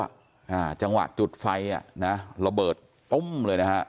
อ่าจังหวะจุดไฟอ่ะนะระเบิดตุ้มเลยนะฮะ